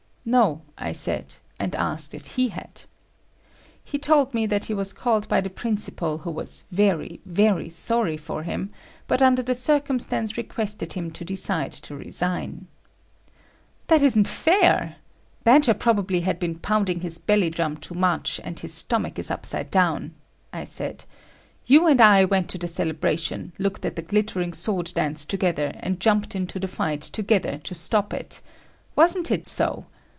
No, I said, and asked if he had. He told me that he was called by the principal who was very, very sorry for him but under the circumstance requested him to decide to resign. "That isn't fair. Badger probably had been pounding his belly drum too much and his stomach is upside down," I said, "you and I went to the celebration, looked at the glittering sword dance together, and jumped into the fight together to stop it. Wasn't it so?